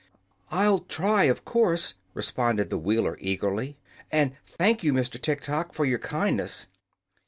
"I'll try, of course," replied the Wheeler, eagerly. "And thank you, Mr. Tiktok, for your kindness."